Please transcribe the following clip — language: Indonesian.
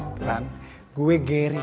tentang gue geri